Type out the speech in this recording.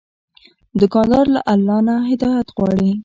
دوکاندار له الله نه هدایت غواړي.